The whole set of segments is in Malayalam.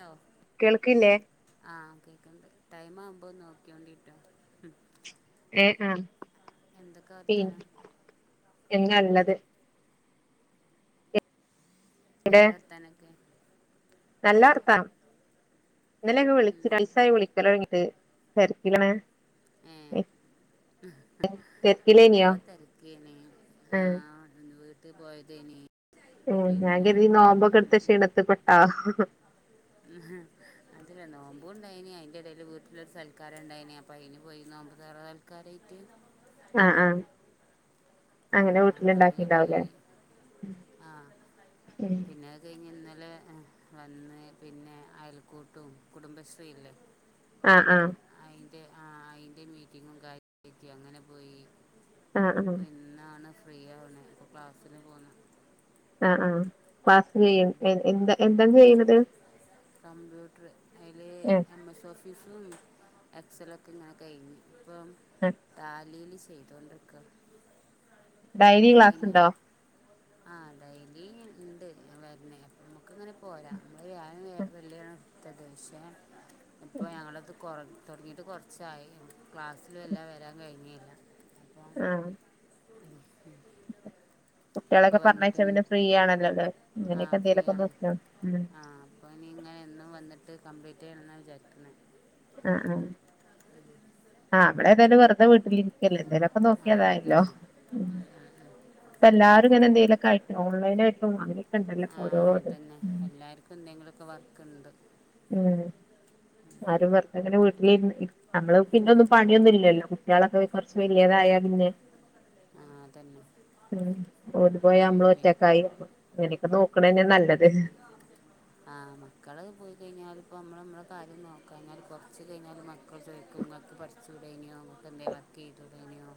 ഹലോ.. കേൾക്കില്ലേ? ആഹാ കേക്ക്ണ്ട്, ടൈം ആവുമ്പോൾ നോക്കിയോണ്ടിട്ടോ? ഉം ഏ ആഹാ.. എന്തൊക്കെ വർത്താനം? നല്ലത്. ഇവിടെ എന്താ വർത്താനൊക്കെ? നല്ല വർത്താനം, ഇന്നലെയൊക്കെ വിളിച്ചു രണ്ടീസായി വിളിക്കലൊട്ങ്ങീട്ട്. തെര്ക്കിലാണ്. ഏഹ് ഓരോ തെരക്കെയ്നി ആ ആഹാ വീ- വീട്ടി പോയതെയ്ന്. ഏ ഞാൻ കരുതി- നോമ്പൊക്കെടുത്ത് ക്ഷീണത്ത് പെട്ടോ? ആഹാ.. അതല്ല നോമ്പും ഉണ്ടായിന്, അയ്ന്റെ ഇടയില് വീട്ടിലൊരു- സൽക്കാരും ഇണ്ടായീനി, അപ്പോ അയിന് പോയി. നോമ്പ് തൊറ- സൽക്കാരായിട്ട്. ആഹാ ആഹാ.. അങ്ങനെ ആഹ് അതിന് വീട്ടില്ണ്ടാക്കീണ്ടാവുലേ? പോയി ആഹ് പിന്നെ അത് കഴിഞ്ഞ് ഇന്നലെ വന്ന് പിന്നെ- അയൽക്കൂട്ടും, കുടുംബശ്രീ ഇല്ലേ? ആഹാ ആഹാ... അയിന്റെ ആഹാ അയിന്റെ- മീറ്റിങ്ങും കാര്യ പറ്റി അങ്ങനെ പോയി. ആ ആ ഇന്നാണ് ഫ്രീ ആവണ ഇപ്പ ക്ലാസ്സിന് പോന്ന്. ആഹ് ആഹ് ക്ലാസ് ചെയ്യ, എന്താ? എന്താണ് ചെയ്യുന്നത്? കമ്പ്യൂട്ടർ അതിൽ ഏ എം. എസ് ഓഫീസും, എക്സലൊക്കെ- ഇങ്ങനെ കഴിഞ്ഞു. ഇപ്പം ആ ടാലിയിൽ ചെയ്തോണ്ടിക്ക. ഡയലി ക്ലാസ് ഉണ്ടോ? ആഹ് ഡെയിലി ഇണ്ട് വെരുന്നേ ഇമ്മക്ക് ഇങ്ങനെ പോരാ [unintelligible] വ്യാഴം വെള്ളിയാണ് ത്തത് പഷെ ഇപ്പൊ ഞങ്ങളത് കൊറ തൊടങ്ങിയിട്ട് കൊറച്ചായി ക്ലാസ്സിലെല്ലാ വെരാൻ കഴിഞ്ഞില്ല ആഹ് ഉ ഉ കുട്ട്യാളൊക്കെ പറഞ്ഞയച്ചാ പിന്നെ ഫ്രീ ആണല്ലോല്ലേ ഇങ്ങനെയൊക്കെ എന്തേലൊക്കൊന്ന് നോക്കിയാ ഉം അപ്പോ ഇനി ഇങ്ങനെ എന്നും വന്നിട്ട് കംപ്ലീറ്റ് ചെയ്യണെന്നാ വിചാരിക്കുന്നത് ആഹ് ആഹ് ആഹ് നമ്മള് ഏതായാലും വെറുതെ വീട്ടിലിരിക്കല്ലെ എന്തായാലും ക്കെ ആ നോക്കിയാ അതായല്ലോ അതന്നെ ഉം ഇപ്പ എല്ലാരും ഇങ്ങനെ എന്തെലും ഒക്കെ ആയിട്ട് ഓൺലൈനായിട്ടും അങ്ങനൊക്കെണ്ടല്ലോ ഓരോ ഇത് എന്തെങ്കിലൊക്കെ വർക്കുണ്ട് ഉം ആരും വെറതങ്ങനെ വീട്ടിലിരുന്ന് ഇരുന്ന് [unintelligible] നമ്മള് പിന്നെ ഒന്നും പണിയൊന്നും ഇല്ലല്ലോ കുട്ടികളൊക്കെ കൊറച്ച് വെല്യതായാ പിന്നെ ആഹ് അതന്നെ ഉം ഓല് പോയാ ഉം, നമ്മള് പി- ഒറ്റക്കായി ഇങ്ങനെയൊക്കെ നോക്കണത് തന്നെയാ നല്ലത് ആഹ് മക്കള് പോയി കഴിഞ്ഞാല് ഇപ്പോ നമ്മള് നമ്മളെ കാര്യം നോക്കാഞ്ഞാല് കൊറച്ച് കഴിഞ്ഞാല് മക്കള് ചോദിക്കും ഇങ്ങക്ക് പഠിച്ച് ച്ചൂടേയ്നിയോന്ന് എന്തെ വർക്ക് ചെയ്തൂടെനിയോ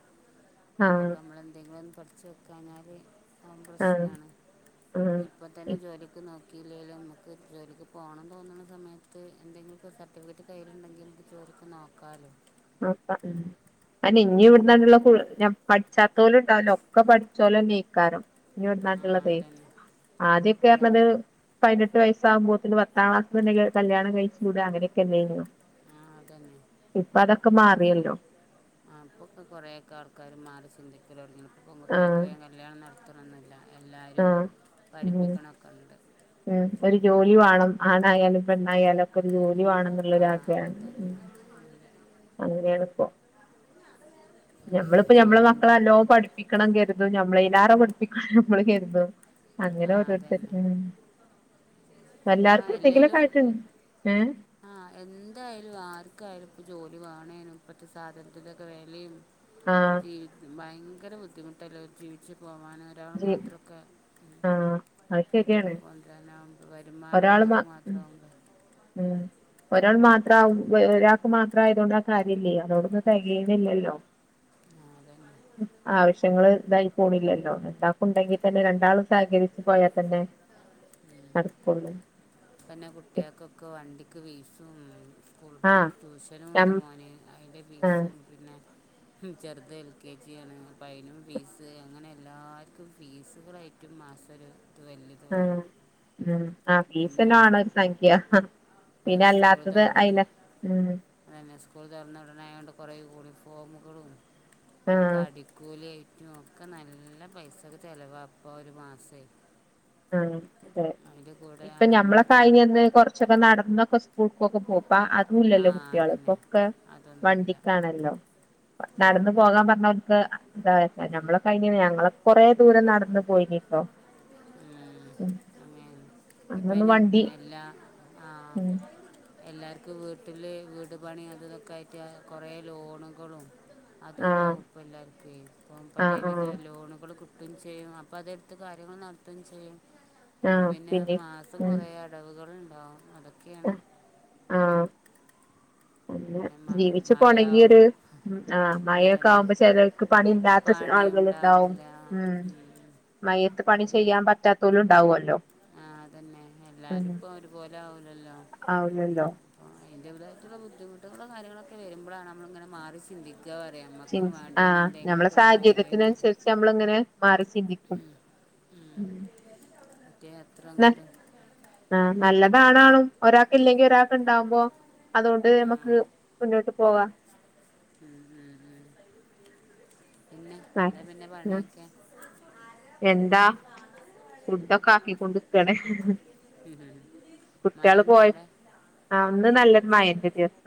ആഹ് അപ്പൊക്കെ നമ്മൾ എന്തെങ്കിലും ഒന്ന് പഠിച്ച് വെക്കാഞ്ഞാല് ആഹ് പ്രശ്നാണ് ആഹ് ഇനിയിപ്പം തന്നെ ജോലിക്ക് നോക്കിയില്ലേല്ലോന്ന് ഒര് ജോലിക്ക് പോണം തോന്നണ സമയത്ത് എന്തെങ്കിലൊക്കെ സർട്ടിഫിക്കറ്റ് കയ്യിലുണ്ടെങ്കി നമ്മക്ക് ജോലിക്ക് നോക്കാല്ലോ നോക്കാം ഉം അല്ല ഇനി ഇവിടന്നാണ്ടുള്ള ഫുൾ ഞ പഠിച്ചാത്തോല് ഉണ്ടാവില്ലോ ഒക്കെ പഠിച്ചോലെന്നായിക്കാരം ഇനിയിവിട്ന്നാണ്ട് ആ ഇള്ളതെ അതന്നെ ആദ്യൊക്കെ അതന്നെ പറഞ്ഞത് പതിനെട്ട് വയസ്സവുമ്പോത്തന് ഭർ ആഹ് ഹസ്ബൻ്റ് കല്യാണം കഴിച്ച് വിടാ അങ്ങനെയൊക്കെ അല്ലേനിയോ ആഹ് അതന്നെ ഇപ്പൊ അതൊക്കെ മാറിയല്ലോ ആഹ് ഇപ്പൊ ഒക്കെ കൊറേക്കെ ആൾക്കാറ് മാറി ചിന്തിക്കല് തൊടങ്ങീണ് ഇപ്പം പെൺകുട്ടിയാക്ക് ആഹ് വേഗം കല്യാണം നടത്തണന്നില്ല എല്ലാരും ആഹ് ഉം പഠിപ്പിക്കണൊക്കെയുണ്ട് ഉം ഒരു ജോലി വാണം ആണായാലും പെണ്ണായാലും ക്കെ ഒരു ജോലി വാണെന്നുള്ള ആ ആഗ്രഹാണ് ഉം അതന്നെ അങ്ങനെയാണ് ഇപ്പോ ഉം. ഞമ്മളിപ്പോ ഞമ്മളെ മക്കളെ ജോലിൻ്റെ നല്ലോ പഠിപ്പിക്കണം കെരുതും ഞമ്മളയിലാറെ പഠിപ്പിക്കണം ഞമ്മള് കരുതും ആ അങ്ങനെ ഓരോരുത്തര് അതന്നെ ഉം ഇപ്പോൾ എല്ലാർക്കും എന്തെങ്കിലും എല്ലാവരും ആയിട്ട് ഏഹ് ആഹ് എന്തായാലും ആർക്കായാലും ഇപ്പ ജോലി വേണേനും ഇപ്പത്തെ സാധനത്തിൻ്റെയൊക്കെ വെലയും ആഹ് ജീവി ഭയങ്കര ബുദ്ധിമുട്ടല്ലെ ജീവിച്ച് പോവാനും ഒരാള് ജി മാത്രൊക്കെ ആഹ് അത് വീട്ട്ക്ക് ശരിയാണ് കൊണ്ടരാനാവുമ്പം വരുമാനം ഒരാള് ഒരാക്ക് മ മാത്രം ആവുമ്പം ഉം ഒരാൾ മാത്ര ആവുമ്പ് ഒ ഒരാൾക്ക് മാത്രം ആയത് കൊണ്ട് ആ കാര്യല്ലേ അതോണ്ടൊന്നും തെകയുന്നില്ലല്ലോ ആഹ് അതന്നെ ആവശ്യങ്ങള് ഇതായി പോണില്ലല്ലോന്ന് ഓരാക്ക് ഉണ്ടെങ്കി തന്നെ രണ്ടാളും സഹകരിച്ചു പോയാ തന്നെ ഉം നടക്കുള്ളൂ ഇപ്പന്നെ കുട്ടിയേക്കൊക്കെ വണ്ടിക്ക് ഫീസും സ്കൂൾ ആഹ് ട്യൂഷനും ഞം ഇണ്ട് മോന് അതിന്റെ ആഹ് ഫീസും പിന്നെ ചെറുത് എൽ കെ ജി ആണ് അപ്പൊ അയിനും ഫീസ് അങ്ങനെ എല്ലാര്ക്കും ഫീസുകളായിട്ട് മറ്റും മാസം ഒരു ഇത് [unintelligible] ആഹ്‌ ഉം ആഹ് ഫീസ്സന്നെ പിന്നെ വാണൊരു സംഖ്യ ഇപ്പം പിന്നെ അല്ലാത്തത് അയിനക്ക് ഉം അയന്നെ സ്കൂള് തൊറന്ന ഉടനെ ആയോണ്ട് കൊറേ യൂണിഫോമുകളും ഇതൊക്കെ ആഹ് അടിക്കൂലിയായി നോക്കാ നല്ല പൈസക്ക് ചെലവാപ്പോ ഒരുമാസേ ആഹ്‌ അതെ അയിന്റെ കൂ ഇപ്പൊ ഞമ്മളെ കഴിഞ്ഞന്ന് കൊറച്ചൊക്കെ നടന്നൊക്കെ സ്കൂൾക്കൊക്കെ പോകാ അതും ആ ഇല്ലല്ലോ കുട്ടികള് ഇപ്പൊ അതന്നെ ക്കെ അതൊന്നുമില്ല വണ്ടിക്കാണല്ലോ നടന്ന്പോകാൻ പറഞ്ഞ ഓൽക്ക് എന്ത നമ്മളെ കഴിഞ്ഞ ഞങ്ങകൊറെ ദൂരം നട ഇന്ന് പോയിനീട്ടോ ഉം ഹേ അന്നൊന്നും ഇപ്പയിന് വണ്ടി മെല്ലാ ആഹ്‌ ഉം എല്ലാർക്കും വീട്ടില് വീട്പണി അത്തൊക്കെ ആയിറ്റ് കൊറേ ലോണുകളും ആഹ് അതുംണ്ടാവും ഇപ്പെല്ലാർക്കുയ് ആഹ് ഇപ്പംപലവിധ ആഹ് ലോണുകള് കിട്ടും ചെയ്യും അപ്പതെട്ത്ത് കാര്യങ്ങള് നടത്തും ചെയ്യും ആഹ് അപ്പപിന്നെ പിന്നെ മാസം ഉം കൊറേ അടവുകള്ണ്ടാവും അതൊക്കെയാണ് ആഹ്‌ പിന്നെ മ- മഴയാവും ജീവിച്ചുപോണെങ്കിയൊരു ആഹ് അതന്നെ മഴൊക്കെവൂമ്പോ ചെലോൽക്ക് പണി ഇല്ലാത്ത പണി ആളുകള്ണ്ടാവും ഉണ്ടാവില്ല ഉം മയത്ത് പണി ചെയ്യാൻ പറ്റാത്തോലുംണ്ടാവോല്ലോ ആഹ്‌ അതന്നെ എല്ലാരുംപ്പൊ ഒരുപോലെ ആവൂലല്ലോ ആവുലല്ലോ [unintelligible] ബുദ്ധിമുട്ടുകളും കാര്യങ്ങളൊക്കെവരുമ്പോഴാണ് നമ്മള്ങ്ങന മാറി ചിന്തി ന്താപറയാ മ്മക്കും ചിന്തി വണ്ടീന് എന്തെങ്കിലുക്കെ ഒരുതൊഴില്ന്ന് ഷമ്മള്ങ്ങനെ മാറിചിന്തിക്കും ഉം. [unintelligible] ന്ന ആഹ് നല്ല രാണാണും ഒരാക്ക്ല്ലെങ്കി ഒരാക്ക്ണ്ടാവ്മ്പോ അതുകൊണ്ട് ആ നമക്ക് മുന്നോട്ട് പോവാം ഉം ഉം ഉം പിന്നെ ന്താപിന്നെ ആഹ് പണിയൊക്കെ എന്താ ഫുഡ്ഡൊക്കെ ആക്കിക്കൊണ്ട്ക്കാണ് കുട്ട്യാള് പോയ മയണ്ടൊവ്ടെ ആഹ് ഒന്ന്നല്ലോര് മഴന്റെ ദിവസ്സ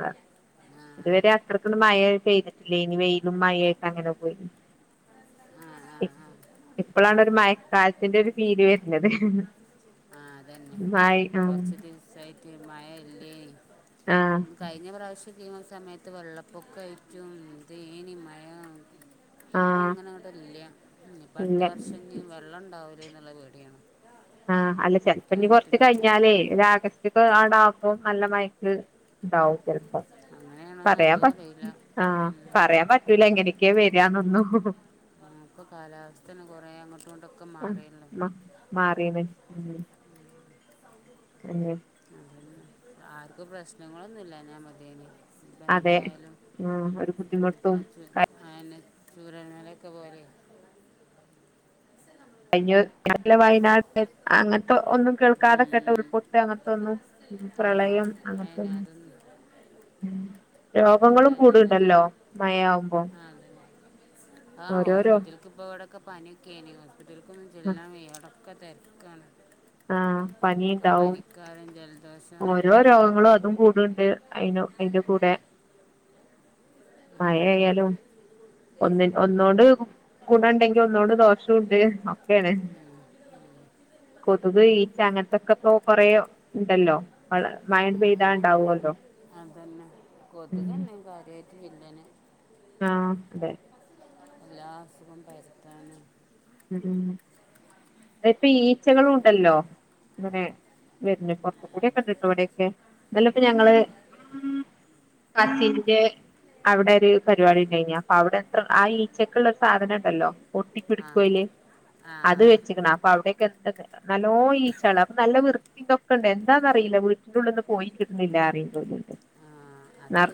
ആ ഇതുവരെ അത്രക്ക്ണ് മഴ പെയ്തിട്ടില്ലേയ്നി വെയിലും മഴയൊക്കെ അങ്ങനെ പോയി ആഹ്‌ ആഹ് ആഹ് ഇപ്പൊളാണ് ഒരു മയക്കാലത്തിന്റെ ഒരു ഫീല് വെര്ണത് ആഹ് അതന്നെ കൊറ്ച്ച് ദിവസ്സയിറ്റ് മഴ ഇല്ലേയ്നി ആഹ് ഉം കഴിഞ്ഞപ്രാവശ്യം [unintelligible] സമയത്ത് വെള്ളപ്പൊക്കെയ്റ്റും ഏന്തേയ്നി മയ പ്പൊ ആഹ് അങ്ങനെ അങ്ങടെ ഇല്ല്യഞ്ഞിപ്പൊ അട്ത്ത ഇല്ല വർഷം ഞ്ഞ് വള്ളം ഉണ്ടാവൂലേഎന്നള്ള പേടിയാണ് ആഹ്‌ അല്ല ചെൽപ്പഞ്ഞി കൊറച്ച് കിണറ്റിലൊക്കെ കഴിഞ്ഞാലേ ഒരാഗസ് [unintelligible] നല്ല മയക്ക് ഉണ്ടാവും ചെൽപ്പോ അങ്ങനെയാണോന്ന് പറയാൻ അതും പറ്റ് അറിയില്ല ആഹ്‌ ഉം. പറയാൻ പറ്റൂല എങ്ങനക്കെവരന്നൊന്നും നമുക്ക് കാലാവസ്ഥന്നെ കൊറേ അങ്ങോട്ടുംങ്ങട്ടും ഉം മ്മ മാറിയ്ണ് [unintelligible] ആർക്കും പ്രശ്നങ്ങളൊന്നുംല്ലഞാമതിയെനി അതെ ഇപ്പംന്തായാലും ഉം ഒരു ബുദ്ധിമുട്ടും [unintelligible] അയന്നെ ചൂരൽമലൊക്കെ പോലെയ് [unintelligible] വയനാടെ അങ്ങൻത്തെ ഒന്നും ഉം, കേൾക്കാതക്കെട്ടെ ഉം. ഉൾപൊട്ട് അങ്ങൻത്തെന്നും ആ പ്രളയം അതിന് അങ്ങൻത്തൊന്നും അതൊന്നും ഉം ഒന്നുമില്ല രോഗങ്ങളും ഞാൻ കൂട്ണ്ട്ല്ലോ മതിയേന് മഴയാവുമ്പോ ആഹ് ഓരോരോ ഹോസ്പിറ്റിൽ ഇപ്പ ഇവിടൊക്കെ പനിയൊക്കെയായി ഹോസ്പിറ്റലക്കൊന്നും ചെല്ലാവിടൊക്കെ തെരക്കാണ്. ആഹ് ഒക്കെ പനിണ്ടാവും പനിക്കാരും ജലദോഷം ഓരോ രോഗങ്ങളും അതും കൂടണ്ട് അഹ് അതിന്റെ കൂടെ അതന്നെ മഴയായാലും ഒന്നി ഒന്നോണ്ട് ഗുണ ഉണ്ടെങ്കിൽ ഒന്നോണ്ട് ദോഷംണ്ട് ഒക്കെണ് ഉം, ഉം. കൊതുക് ഈച്ച് അങ്ങനത്തൊക്കെ ഇപ്പോ കൊറേ ഉണ്ടല്ലോ? മഴ പെയ്താണ്ടാവുല്ലോ? അതു തന്നെ കൊതുകന്നെ കാര്യയിട്ട് വില്ലന് ആഹ അതെ എല്ലാ അസുഖം പരത്താന്. ഉ ഇപ്പൊ ഈച്ചകളും ഉണ്ടല്ലോ അങ്ങനെ? വര്ണ് പൊറത്ത കൂടിക്കെണ്ട് ഇവിടെൊക്കെ ഇന്നലെഇപ്പ ഞങ്ങള് പത്തിന്റെ അവിടെ ഒരു പരിപാടി ഉണ്ടെയിന്നി അപ്പൊ അവിടെ എത്ര ആഹ ഈച്ചക്കള്ള ഒരു സാധനം ഉണ്ടല്ലോ ഒട്ടിപിടി ആ ല് ആ ആ അത് വെച്ചക്കണ് അപ്പൊ അവിടെക്കെ എന്ത നല്ലോ ഈ ചോളഅപ്പൊ നല്ല വൃത്തി ഇതെ ക്കണ്ട് എന്താന്ന അറിയില്ല വീട്ടിനുള്ളൊന്ന് പോയി കിട്ടന്നില്ല പറി ൺണ്ട് ആഹ അത്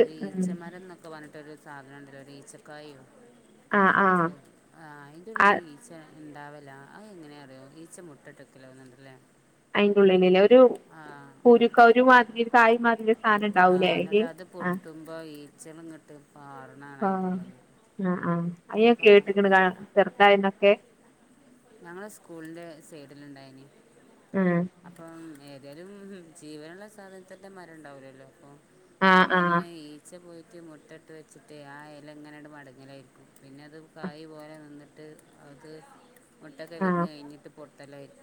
ഒരു ഉം ഈച്ചമരന്നൊക്ക പ്പൊ വന്ന്ട്ടോര് സാധനം ണ്ടല്ലോ ഈച്ചക്കായോ ആഹ് മ് ആഹ് അയിന്റെ ഉള്ളി ഈ ച്ച ഉണ്ടാവല്ല അത് എങ്ങനെയാ അറിയോ ഈച്ച മുട്ട ഇട്ടക്കലോന്നണ്ടല്ലേ? അയിന്റെ ഉള്ളില് ലെ ഒരു പൂരുക്ക ഒരു മാതിരി തായ് മാതിരി സാധനം ആഹ ഉണ്ടാവൂലേ അയില് ന്നിട്ട് അത് ആഹ് പൊട്ടുമ്പോ ഈച്ചള ഇങ്ങിട്ട് പാറണാകാനഅയിന്റെ ഉള്ളിന്ന ആഹ ആഹ അയ്യൊക്കെ കേട്ടിക്ണ് ചെറുതന്നൊക്കെ ഞങ്ങള് സ്കൂളിന്റെ സൈഡിൽ ഇണ്ടായിന് ആഹ അപ്പം ഏതാലും ജീവനുള്ള സാധനത്തിന്റെ മരം ഉണ്ടാവൂലല്ലോ അപ്പൊ എനിക്ക് ആഹ് ആഹ് തോന്നണെഈച്ച പോയിട്ട് മുട്ട ഇട്ട് വെച്ചിട്ട് ആഹ ഇല ഇങ്ങനഅങ്ങോട്ട് മടങ്ങലായിയിരിക്കും. പിന്നെ അത് കായി പോലെ നിന്നിട്ട് അത് മുട്ടൊക്കെ വിരിഞ്ഞ് കഴിഞ്ഞിട്ട് പൊട്ട തലൈ [inaudible]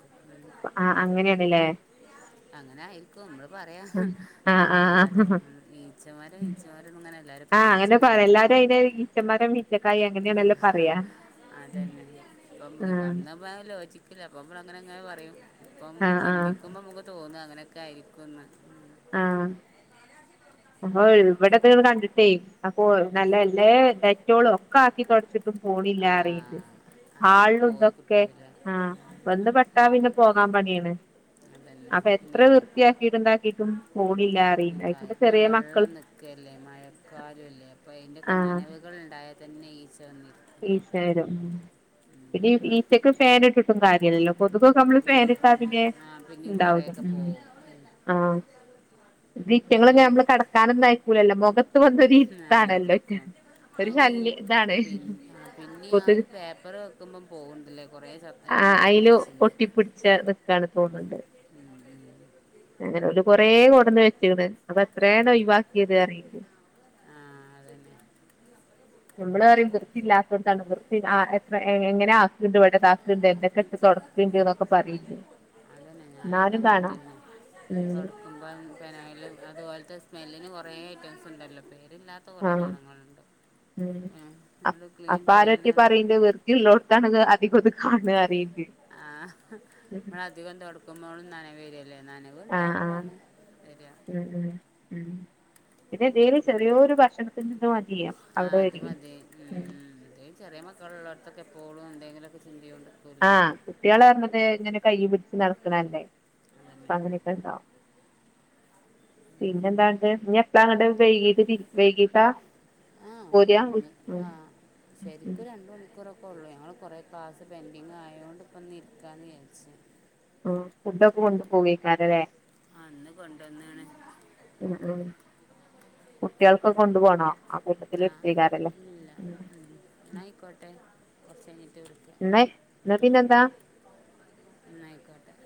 ആഹ അങ്ങനെയാണല്ലേ? അങ്ങനെയി നമ്മള് പറയാ ആഹ് ആഹ് അല്ലാതെ ആഹ് ഈച്ചമാര ഈച്ചമാര ഇങ്ങനെ എല്ലാവരും പറ അങ്ങനെ പറ എല്ലാര്അയ്നെ ഈച്ചമര ആഹ അതന്നെ ഇപ്പ ഇ ആഹ് അ യോചിക്കില്ല അപ്പ നമ്മ അങ്ങനെ എങ്ങനെ പറയും ഇപ്പ നമ്മ ആഹ് ആഹ് ചിന്തിക് നക്കുമ്പോ നമുക്ക് തോന്നും അങ്ങനെയൊക്കെ ആയിരിക്കുംന്ന് ആഹ അ ഇവിടെ ഇത് കണ്ടിട്ടേ? അപ്പൊ നല്ല നല്ലേ ഡെറ്റോള ഒക്കെ ആക്കി തൊടച്ചിട്ടും. ആ പോണില്ലാപറിണ്ട് അതൊന്നും പോയി ആളിഇതൊക്കെ കിട്ടൂല ബന്ധ ട്ടാ പിന്നെ പോകാൻ പണിയാണ് അതന്നെ അപ്പൊ എത്ര വൃത്തിയാക്കിട്ടുണ്ടാക്കീട്ടും. അതൊ നക്ക പിന്നെ വെള്ളം നിക്കല്ലേ മഴക്കാലംല്ലേ അപ്പൊ അയിന്റെക്കെ ആഹ് നനവ് - - കൾഉണ്ടായൽ തന്നെ ഈച്ച വന്നിരി ഈചവര് പിന്നെ ഉം. ഈച്ചക്ക ഫാൻ ഇട്ടിട്ടും കാര്യല്ലലോ കൊതുക്കൊ നമ്മള് ഉം. ഫാൻ ഇട്ടാ പിന്നെ ഉം. ആ പിന്നെയും ഉണ്ടാവൂ കുറേയൊക്കെ ഉം പോവും ഉം. ആഹ് [unintelligible] ഈ നമ്മളെ കട കാനന്നായിക്കൂലല്ലോ മുഖത്ത് വന്ന ആ, ഇത്താണല്ലോ ഇരിക്കും ഒരു അതിന് ഈ ശല്യം ഇതാണ് പിന്നെ ആ, പിന്നെ ആഹ കൊതുക് ഒരു പേപ്പറ് വെക്കുമ്പം പോകുന്നില്ലേ കുറേ സമിൽ ആഹ് ഒട്ടി ഒടിച്ചില്ല പോണണ്ട് ഉത [inaudible] അങ്ങനെ ഒരു കൊറേ കൊടന്ന് വെച്ചണ് അപ്പൊ എത്രോണ് ഒഴിവാക്കിയത് അറിയോ? ആഹ അതന്നെ നമ്മള് പററിയും വൃത്തി ഇല്ലാത്ത കൊണ്ടാണ് വൃത്തി എത്ര എങ്ങനെ ആസ്ലുണ്ട് വത് ആാക്കലണ്ട് എന്തൊക്കെ തുടക്കണ്ട് എന്നൊക്കെ പറയില്ലേ അതന്നെ ഞാനൊക്കെ എന്നാലും അങ്ങനെ കാണാ തന്നെ കൊ ഉം ക്പം പനലും അതുപോലത്തെ സ്മെല്ലിന് കുറേ ഐറ്റംസ് ഉണ്ടല്ലോ പേരില്ലാത്ത അത്ര കുറേ ആഹ് സാധനകളുണ്ട് ഉം അത് ക്ലീൻ ചെയ്യൻ ള്ളോടത്താണ്ണ അധികം ഒത് കാണുക അറിയി ആഹ് നമ്മള അധികം തുൊടക്കുമ്പോഴും നന വരു അല്ലെ നനവ് ആഹ് ആഹ് ഉണ്ടാവകുമ്പോളാണ് തെരാ ഉം ഉം ഉം പിന്നെ എന്തെേലും ചെറിയൊരു ഭക്ഷണത്തിന് നിന്നും മതി അവിടെ വരും ഉം എന്ത് ചെറിയ മക്കള് ഉള്ളോട്ത്തൊക്കെ എപ്പോളും എന്തെങ്കിലൊക്കെ ചിന്തയും ഇണ്ട് ആഹ് കുട്ട്യാൾ പറഞ്ഞത് ഇങ്ങനെ കൈ പിടിച്ച് നടക്കണല്ലേ അതന്നെ അ അങ്ങനെ ണ്ട പിന്നെ എന്താണ്ട് എപ്പളാ ഇങ്ങട്ട് വൈകീട്ട് തിരി വൈകീട്ടാ ആ പോരാ ഇന്ന് ആ ശരിക്കും രണ്ട് മണിക്കൂറവും ഇപ്പ ഉള്ളൂ ഞങ്ങൾ കുറെ ക്ലാസ് പെൻഡിങ് ആയോണ്ട് ഇപ്പം ഇന്ന് ഇരിക്കാന്ന് വിചാരിച് ആഹ് ഫുഡൊക്കെ കൊണ്ടു പോവേക്കാരംലേ ആഹ് ഇന്ന് കൊണ്ടന്നീണ് ഉം ഉം കുട്ട്യാൾക്കൊക്കെ കൊണ്ടു പോണോ കൂട്ടത്തില് ആഹ് എടുത്തേക്കാരല്ലേ ഇല്ല ഉം ഇന്നാ അയിക്കോട്ടെ കുറച്ച് കഴിഞ്ഞിട്ട് വിളി ഇന്നാ ഇന്നാ പിന്നെ എന്താ എന്നായിക്കോട്ടെ